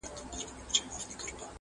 کنې پاته یې له ډلي د سیلانو.